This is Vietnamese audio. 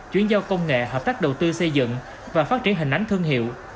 chuyển giao công nghệ hợp tác đầu tư xây dựng và phát triển hình ánh thương hiệu